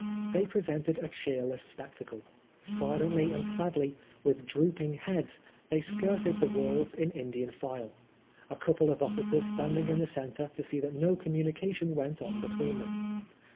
They presented a cheerless spectacle. Silently and sadly, with drooping heads, they skirted the walls in Indian file ; a couple of officers standing in the centre to see that no communication went on between them.